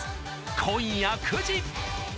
今夜９時。